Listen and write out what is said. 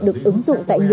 được ứng dụng tại nhu cầu